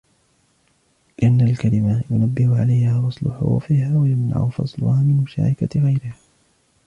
لِأَنَّ الْكَلِمَةَ يُنَبِّهُ عَلَيْهَا وَصْلُ حُرُوفِهَا وَيَمْنَعُ فَصْلُهَا مِنْ مُشَارَكَةِ غَيْرِهَا